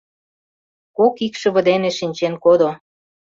Кок икшыве дене шинчен кодо.